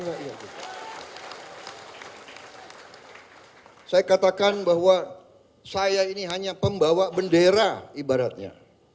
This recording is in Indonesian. saya katakan bahwa saya ini hanya pembawa bendera ibaratnya